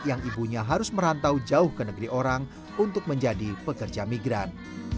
yang ibunya harus merantau jauh ke negeri orang untuk menjadi pekerja migran